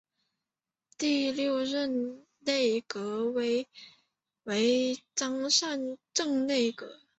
第六任内阁为张善政内阁。